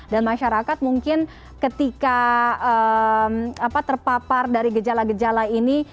dan masyarakat mungkin ketika terpapar dari gejala gejala ini